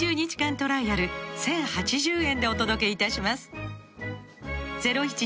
トライアル１，０８０円でお届けいたします